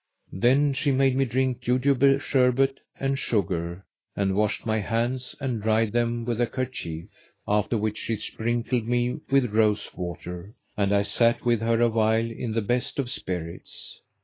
Then she made me drink jujube sherbet[FN#513] and sugar and washed my hands and dried them with a kerchief; after which she sprinkled me with rose water, and I sat with her awhile in the best of spirits.